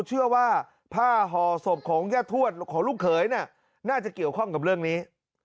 เชื่อว่าผ้าห่อศพของย่าทวดของลูกเขยน่าจะเกี่ยวข้องกับเรื่องนี้